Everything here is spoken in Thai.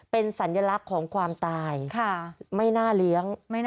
เป็นสัญลักษฎ์ของความตาย